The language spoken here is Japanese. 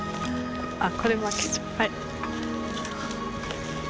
あっこれはい。